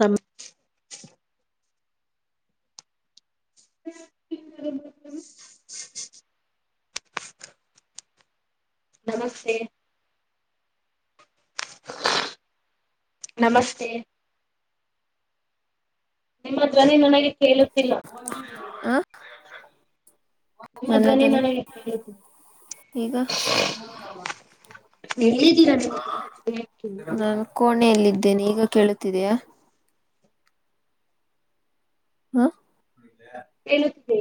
ತಮ್ಮ [inaudible] ನಮಸ್ತೆ ನಮಸ್ತೆ ನಿಮ್ಮ ಜ್ವನಿ ನನಗೆ ಕೇಳುತ್ತಿಲ್ಲ ಆ ನಿಮ್ಮ ಧ್ವನಿ ನನಗೆ ಹೇಳುತ್ತ ಈಗ ಎಳಿದಿರ ನೀವ್ ್ದೇನೆ ಈಗ ಕೇಳುತ್ತಿದಯಾ ಹಾ ಹೇಲಿತೆ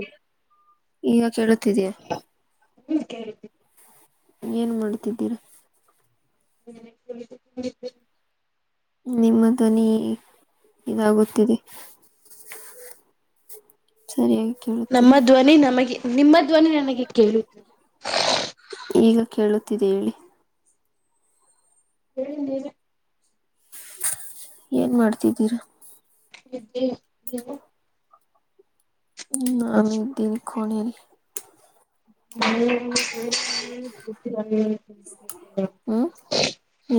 ಈಗ ಕೇಳುತ್ತಿದೀಯ ಹ್ಮ ಕೇಳ ಏನ್ ಮಾಡ್ತಿದ್ದೀರಾ [inaudible] ನಿಮ್ಮ ಧ್ವನಿ ಇದಾಗುತ್ತಿದೆ ಸರಿ ನಮ್ಮ ಧ್ವನಿ ನಮಗೆ ನಿಮ್ಮ ಧ್ವನಿ ನನಗೆ ಕೇಳುತ್ತದೆ ಈಗ ಕೇಳುತ್ತಿದೆ ಹೇಳಿ ಹೇಳ ನೀನು ಏನ್ ಮಾಡ್ತಿದ್ದೀರಾ ಹ ನೀನು ನಾನ ಈ ದಿನ ಕ ತರ್ ತರ್ ಹ್ಮ್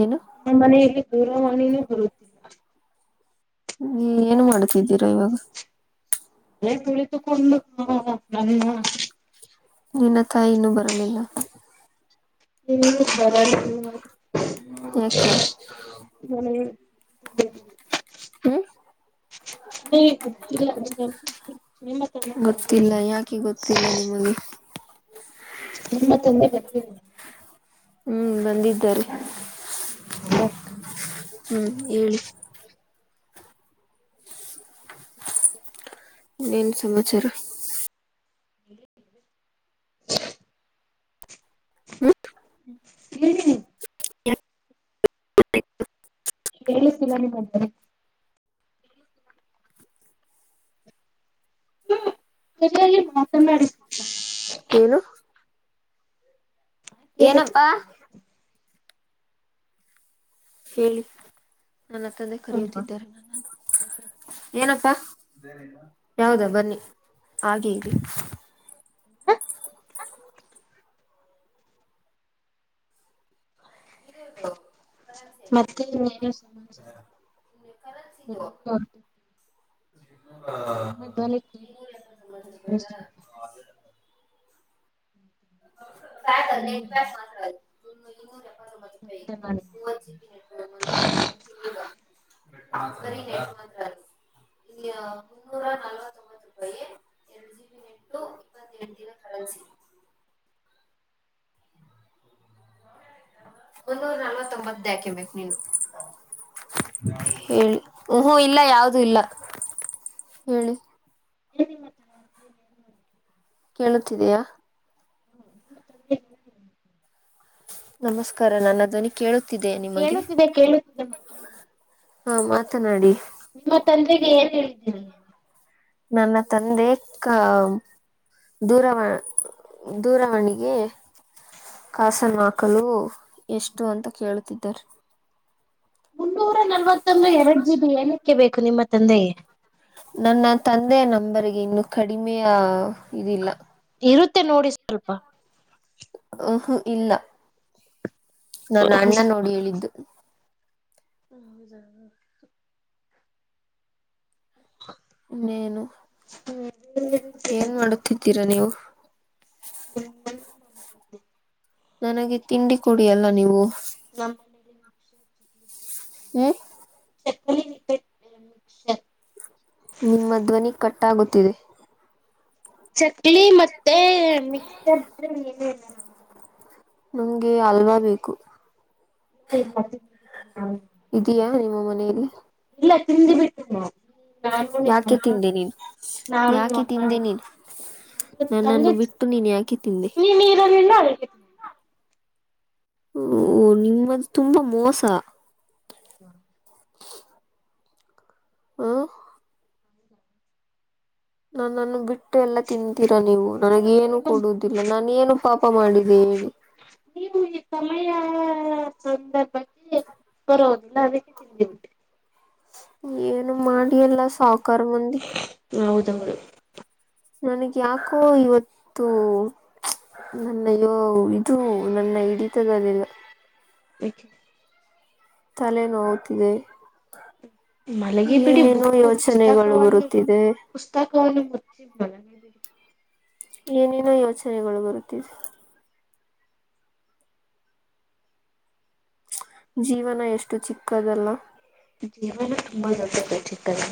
ಏನು ನಮ್ಮ ಮನೆಯಲ್ಲಿ ದೂರವಾಣಿನೂ ಬರುತ್ತಿಲ್ಲ ನೀ ಏನು ಮಾಡ್ತಿದ್ದೀರಾ ಇವಾಗ ಅ ತಿಳಿತುಕೊಂಡು ಹ ನನ್ನ ನಿನ್ನ ತಾಯಿ ಇನ್ನುೂ ಬರಲಿಲ್ಲ ಇ ಕು ಬರ ಯೆಕೆ ಹ್ಮ ನ ಗೊತ್ತಿಲ್ಲ ಗೊತ್ತಿಲ್ಲ ಯಾಕೆ ಗೊತ್ತಿಲ್ಲ ನಿಮಗೆ ನಿ ಮತ್ತೊಂದೆ ಬ ಹ್ಮ್ ಬಂದಿದ್ದಾರೆ ಹ ಹ್ಮ್ ಹೇಳಿ ಇನ್ನೇನ್ ಸಮಾಚಾರ ಹ್ಮ [unintelligible] ಕಕ್ಕಲ ನಿಮ್ಮರೆ ಸರಿಯಾಗಿ ಮಾತನಾಡಿದ ಏನು ಏನಪ್ಪಾ ಹೇಳಿ ನನ್ನ ತಂದೆ ಕರಿಯುತ್ತಿದ್ದಾರೆ ನನ್ನ ಏನಪ್ಪಾ ಯಾವದಾ ಬನ್ನಿ ಹಾಗೆ ಈಗೆ ಹ ಮತ್ತೆ ಉದ ಕಾಯ ಚ ನ ಕಸ್ ಮಾಡ ನಡಿ ಮುನ್ನೂರ ನೊತ್ತು ಇಪ್ಪತ್ತೆಂಟು ದಿನ ಕರೆನ್ಸಿ ಒಂದುೂರ ನಲ್ವತ್ತೊಂಬತ್ತ ಹಾಕಿಬೇಕು ನೀನು ಹೇಳಿ ಹಹೂ ಇಲ್ಲ ಯಾವ್ದೂ ಇಲ್ಲ ಹೇಳಿ ಎನ ಮಾತ್ರ ಕೇಳುತ್ತಿದಯಾ ನಮಸ್ಕಾರ ನಾನು ಅದ್ನಿ ಕೇಳ ಕೇಳುತ್ತಿದೆ ಕೇಳುತ್ತಿದೆ ಮಾತನಾಡಿ ಹಾ ಮಾತನಾಡಿ ನಿಮ್ಮ ತಂದೆಗೆ ಏನ್ ಹೇಳಿದ್ದೀರ ನೀ ನನ್ನ ತಂದೆ ಕ ದೂರವ ದೂರವಾಣಿಗೆ ಕಾಸನ್ವಾಕಲು ಎಷ್ಟು ಅಂತ ಕೇಳುತ್ತಿದ್ದರು ಕೆ ಬೇಕು ನಿಮ್ಮ ತಂದೆ ನನ್ನ ತಂದೆಯ ನಂಬರ್ಗೆ ಇನ್ನುೂ ಕಡಿಮೆಯ ಇದಿಲ್ಲ ಇರುತ್ತೆ ನೋಡಿ ಸ್ವಲ್ಪ ಹಹು ಇಲ್ಲ ನನ್ನ ಅಣ್ಣ ನೋಡಿ ಹೇಳಿದ್ದು ಹೌದ ನ್ನೇನು ಏನ್ ಮಾಡುತ್ತಿದ್ದೀರಾ ನೀವು [unintelligible] ನನಗೆ ತಿಂಡಿ ಕುಡಿಯಲ್ಲ ನೀವು ನಮ್ಮ ಹ್ಮ್ [unintelligible] ನಿಮ್ಮ ಧ್ವನಿ ಕಟ್ಟಾಗುತ್ತಿದೆ ಚಕ್ಲಿ ಮತ್ತೆ ಮಿಕ್ರ್ ನಮ್ಗೆ ಅಲ್ವಾ ಬೇಕು ಹ ಇದಯಾ ನಿಮ್ಮ ಮನೇಲಿ ಇಲ್ಲ ತಿಂದು ಬಿಟ್ಟ ಯಾಕೆ ತಿಂದೆ ನೀನ್ ಯಾಕೆ ತಿಂದೆ ನೀನ್ ನನ್ನನ್ನು ಬಿಟ್ಟು ನೀನ್ ಯಾಕೆ ತಿಂದೆ ಅ ಹ ನಿಮ್ಮದು ತುಂಬಾ ಮೋಸ ಹಾ ಹ ನಾ ನನ್ನು ಬಿಟ್ಟ ಎಲ್ಲ ತಿಂತೀರಾ ನೀವು ನನಗ ಏನು ಕೊಡುದಿಲ್ಲ ನಾನ ಏನು ಪಾಪ ಮಾಡಿದೆ ಹೇಳಿ ನೀವು ಆಯಾ ಸಂದರ್ಭಕ್ಕೆ ಬರೋವುದಿಲ್ಲ ಅದಕ್ಕೆ ತಿಂದ ಉಟೆ ಏನು ಮಾಡಿ ಎಲ್ಲಾ ಸಾಹಕಾರ ಮಂದಿ ಹೌದೌದು ನನಗ್ ಯಾಕೋ ಇವತ್ತು ನನ್ನಯೋ ಇದು ನನ್ನ ಇಡಿತ ಮ ತಲೆ ನೋವುತ್ತಿದೆ ಮಲಗಿ ಬಿಡಿ ಏನೇನೋ ಬುಕ್ ಯೋಚನೆಗಳು ಪುಸ್ತಕವನ್ನು ಬರುತ್ತಿದೆ ಪುಸ್ತಕವನ್ನು ಏನೇನೋ ಯೋಚನೆಗಳು ಬರುತ್ತಿದೆ ಜೀವನ ಎಷ್ಟು ಚಿಕ್ಕದಲ್ಲ ಜೀವನ ತುಂಬಾ ಜಲ್ತ ಪ್ರ ಚಿಕ್ಕರೆ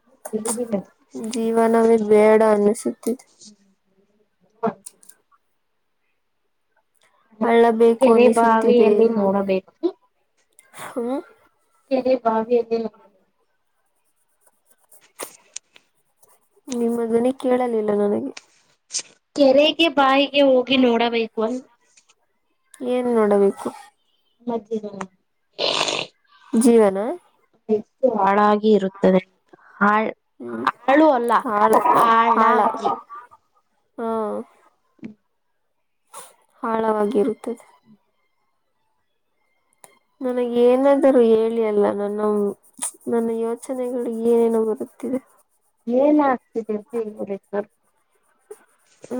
ಇ ಜೀವನವೇ ಬೇಡ ಅನ್ನಸುತ್ತಿದೆ ಹೌ ಅಳ್ಳಬೇಕು ಅನಿಸುತ್ತಿದೆ ಹ್ಮ ಭಾವ ಅ ನಿಮ್ಮದನ್ನೇ ಕೇಳಲಿಲ್ಲ ನನಗೆ ಕೆರೆಗೆ ಬಾಯಿಗೆ ಹೋಗಿ ನೋಡಬೇಕು ಅ ಏನ್ ನೋಡಬೇಕು ಮತ್ತೆ ಜೀವನ ಎಷ್ಟು ಹಾಳೆ ಇರುತ್ತದೆ ಆ ಹ್ಮ್ ಆಳು ಅಲ್ಲ ಆಳ ಹಳ ಆಳ ಹಾಕಿ ಹಾ ಆಳವಾಗಿರುತ್ತದೆ ನನಗ್ ಏನಾದರುೂ ಹೇಳಿ ಅಲ್ಲ ನಾನ ನನ್ನ ಯೋಚನೆಗಳು ಏನೇನು ಬರುತ್ತಿದೆ ಏನ್ ಆಗ್ತಿದೆ ಅಂತವರ್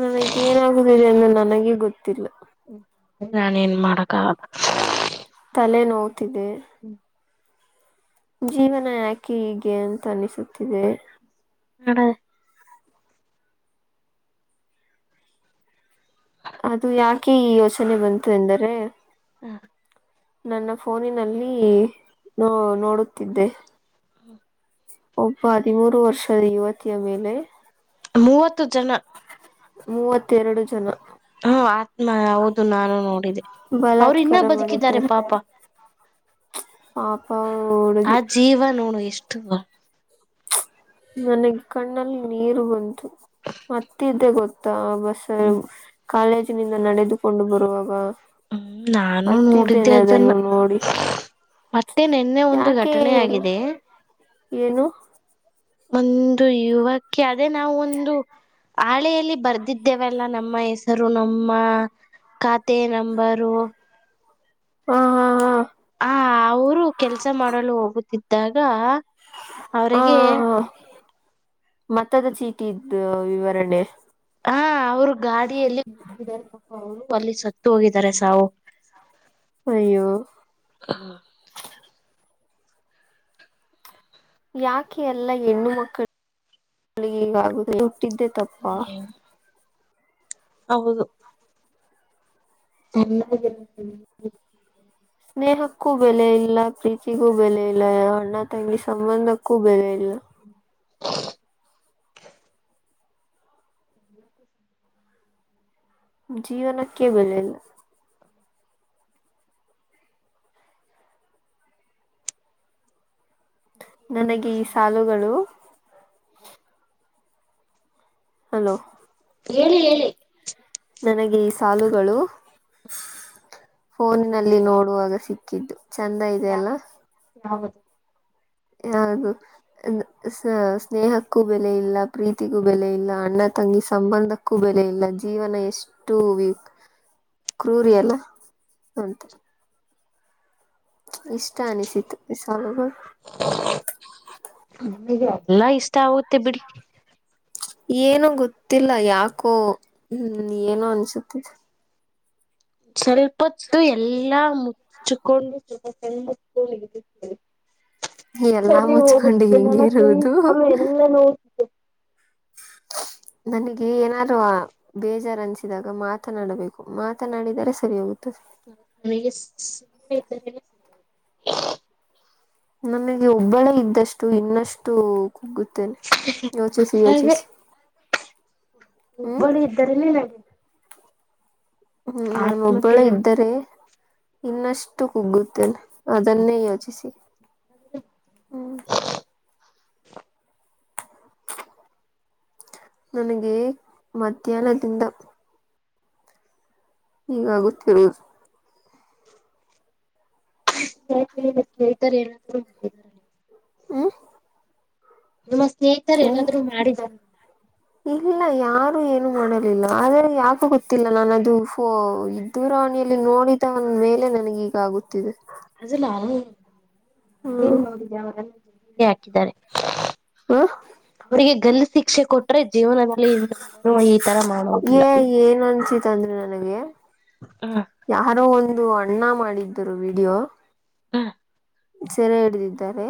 ನನಗ ಏನಾಗುದಿದೆ ಅಂದ ನನಗೆ ಗೊತ್ತಿಲ್ಲ ಹ್ಮ ನಾನ ನ್ ಮಾಡಕ್ಕಾಗದ ತಲೆ ನೋತಿದೆ ಜೀವನ ಯಾಕೆ ಹೀಗೆ ಅಂತ ಅನಿಸುತ್ತಿದೆ ಹಡ ಅದು ಯಾಕೆ ಈ ಯೋಚನೆ ಬಂತು ಎಂದರೆ ಹಾ ನನ್ನ ಫೋನಿನಲ್ಲಿ ನೋ ನೋಡುತ್ತಿದ್ದೆ ಹ್ಮ ಒಬ್ಬ ಹದಿಮೂರು ವರ್ಷದ ಯುವತಿಯ ಮೇಲೆ. ಮೂವತ್ತು ಜನ. ಮೂವತ್ತೆರಡು ಜನ. ಹಾ ಹೌದು ನಾನು ನೋಡಿದೆೆ ಅವರು ಇನ್ನ ಬಲಾತ್ಕಾರ ಬದುಕಿದ್ದಾರೆ ಪಾಪ. ಹ. ಆ ಜೀವ ನೋಡು ಎಷ್ಟು. ನನಗ್ ಕಣ್ಣಲ್ಲಿ ನೀರು ಬಂತು ಅತ್ತಿದೇ ಗೊತ್ತಾ. ಬಸ್ ಹ್ಮ್ ಕಾಲೇಜಿನಿಂದ ನಡೆದುಕೊಂಡು ಬರುವಾಗ. ಹ್ಮ್ ನಾನು ನೋಡಿದ್ದೆ ಹತ್ತಿದ್ದೇನೆ ಅದನ್ನ. ಅದನ್ನು ನೋಡಿ ಮತ್ತೆ ನಿನ್ನೆ ಒಂದು ಯಾಕೆ ಘಟನೆ ಎಲ್ ಆಗಿದೆ. ಏನು. ಒಂದು ಯುವಕ್ಕೆ ಅದೇ ನಾವ ಒಂದು. ಹಾಳೆಯಲ್ಲಿ ಬರ್ದಿದ್ದೇವೆಲ್ಲ ನಮ್ಮ ಹೆಸರು ನಮ್ಮ. ಖಾತೆ ನಂಬರು. ಹಾ ಹಾ ಹಾ. ಹ ಅವರು ಕೆಲ್ಸ ಮಾಡಲು ಹೋಗುತ್ತಿದ್ದಾಗ. ಹಾ ಅವರಿಗೆ. ಹಾ ಹಾ ಮತದ ಚೀಟಿ ಇದ್ದು ವಿವರಣೆ. ಹಾ ಅವರು ಗಾಡಿಯಲ್ಲಿ ಬಿದ್ದಾರೆ ಪಾಪಾ ಅವರು ಅಲ್ಲಿ ಸತ್ತು ಹೋಗಿದ್ದಾರೆ ಸಾವು. ಅಯ್ಯೋ. ಯಾಕೆ ಎಲ್ಲ ಹೆಣ್ಣು ಮಕ್ಕಳು ಇಗೆ ಹಿಂಗ ಆಗುವುದು. ಟ್ಟಿದ್ದೆ ತಪ್ಪಾ. ಹೌದು. [unintelligible] ಸ್ನೇಹಕ್ಕೂ ಬೆಲೆ ಇಲ್ಲ ಪ್ರೀತಿಗೂ ಬೆಲೆ ಇಲ್ಲ ಅಣ್ಣ ತಂಗಿ ಸಂಬಂಧಕ್ಕೂ ಬೆಲೆ ಇಲ್ಲ. [unintelligible] [inaudible] ಜೀವನಕ್ಕೆ ಬೆಲೆ ಇಲ್ಲ. ನನಗೆ ಈ ಸಾಲುಗಳು. ಹಲೋ. ಹೇಳಿ ಹೇಳಿ. ನನಗೆ ಈ ಸಾಲುಗಳು. ಫೋನಿನಲ್ಲಿ ನೋಡುವಾಗ ಸಿಕ್ಕಿದ್ದು ಚಂದ ಇದೇ ಅಲ್ಲ. [inaudible] ಹದು ಸ್ನೇಹಕ್ಕೂ ಬೆಲೆ ಇಲ್ಲ ಪ್ರೀತಿಗೂ ಬೆಲೆ ಇಲ್ಲ ಅಣ್ಣ ತಂಗಿ ಸಮ. ಸಂಬಂಧಕ್ಕೂ ಬೆಲೆ ಇಲ್ಲ ಜೀವನ ಎಷ್ಟು. ಕ್ರೂರಿ ಅಲ್ಲಾ ಅಂತ. ಇಷ್ಟ ಅನಿಸಿತು ಇ ಸಾಲುಗಳು. ನಿಮಗೆ ಎಲ್ಲಾ ಇಷ್ಟ ಆಗುತ್ತೆ ಬಿಡಿ. ಏನೂ ಗೊತ್ತಿಲ್ಲ ಯಾಕೋ ಹ್ಮ ಏನೋ ಅನ್ಸುತ್ತಿದೆ. ಸ್ವಲ್ಪತ್ತು ಎಲ್ಲಾ. ಮುಚ್ಚಕೊಂಡೊಂಡ. [unintelligible] ಎಲ್ಲಾ ಸರಿ ಮುಚ್ಕೊಂಡು ಹೋಗುತ್ತೆ ಹೆಂಗೆ ನನ ಕ ಈ ಇರುವುದು ಚಲ ಎಲ್ಲ ನೋಡ್ತ್ತೆ. [inaudible] ನನಗೆ ಏನಾದ್ರೂ ಬೇಜಾರು ಅನ್ಸಿದಾಗ ಮಾತನಾಡಬೇಕು ಮಾತನಾಡಿದರೆ ಸರಿ ಹೋಗುತ್ತದೆ. [unintelligible] ನಮಗೆ ಒಬ್ಬಳೆ ಇದ್ದಷ್ಟು ಇನ್ನಷ್ಟು. ಗೊತ್ತಿಲ್ಲ ಯೋಚಿಸಿ ಯೋಚಿಸಿ. ಹ್ಮ್ ಒಬ್ಬಳು ಇದ್ದಾರೆ ನೀನಗೆ. ಹ್ಮ್ ನಾನು ಒಬ್ಬಳೆ ಇದ್ದರೆ ಇನ್ನಷ್ಟು ಕುಗ್ಗುತ್ತೇನೆ. ಅದನ್ನೇ ಯೋಚಿಸಿ ಹ್ಮ್ ನನಗೆ ಮಧ್ಯಾಹ್ನದಿಂದ ಈಗಾಗುತ್ತಿ [unintelligible] ಲ್ಲ ಕೇಳ್ತಾರೆ ಏನಾದೂ ಹೋಗಿದಾರ ನೀ ಹ್ಮ್ ನೀಮ್ಮ ಸ್ನೇಹಿತರು ಹ್ಮ್ ಏನಾದ್ರರು ಮಾಡಿದಿದ್ದಾರೆ ಇಲ್ಲ ಯಾರು ಏನು ಮಾಡಲಿಲ್ಲ ಆದರೆ ಯಾಕು ಗೊತ್ತಿಲ್ಲ ನಾನು ಅದು ಫೋ ದೂರವಾಣಿಯಲ್ಲಿ ನೋಡಿದನ್ ಮೇಲೆ ನನಗೆ ಈಗ ಆಗುತ್ತಿದೆ ಅದಲ್ಲ ಹ್ಮ್ ನೋಡಿದೆ ಅವರೆಲ್ಲ ಜಿಗೆ ಹಾಕಿದ್ದಾರೆ ಹಾ ಗಲ್ಲಿ ಶಿಕ್ಷೆ ಕೊಟ್ರೆ ಜೀವನದಲ್ಲಿ ಇನ್ನ ಈ ತರ ಮಾಡೋದಿಲ್ಲ ಏ [unintelligible] ನನಗೆ ಹ ಯಾರೋ ಒಂದು ಅಣ್ಣ ಮಾಡಿದ್ದರು ವಿಡಿಯೋ ಹ್ ಸೆರೆ ಹಿಡಿದಿದ್ದಾರೆ